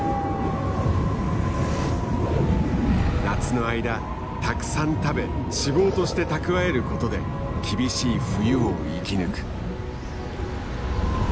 夏の間たくさん食べ脂肪として蓄えることで厳しい冬を生き抜く。